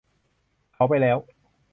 เขาไปแล้ว.